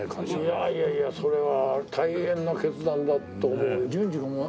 いやいやいやそれは大変な決断だって思う。